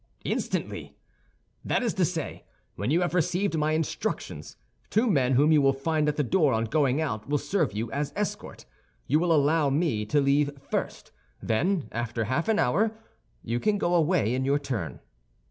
"Instantly! That is to say, when you have received my instructions. Two men, whom you will find at the door on going out, will serve you as escort. You will allow me to leave first; then, after half an hour, you can go away in your turn."